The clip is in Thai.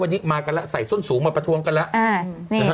วันนี้มากันแล้วใส่ส้นสูงมาประท้วงกันแล้ว